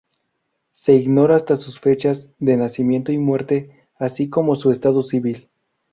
Se ignora hasta sus fechas de nacimiento y muerte, así como su estado civil.